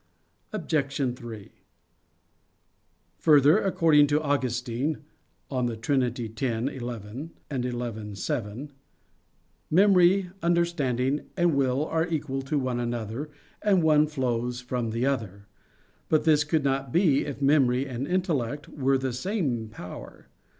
Obj. 3: Further, according to Augustine (De Trin. x, 11; xi, 7), memory, understanding, and will are equal to one another, and one flows from the other. But this could not be if memory and intellect were the same power.